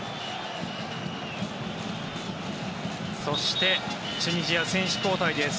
そしてチュニジア、選手交代です。